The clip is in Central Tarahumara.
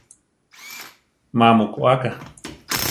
Má mu koáka?